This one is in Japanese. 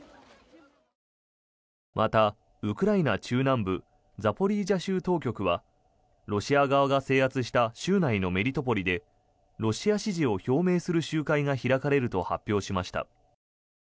また、ウクライナ中南部ザポリージャ州当局はロシア側が制圧した州内のメリトポリでロシア支持を表明する集会が開かれると発表しました。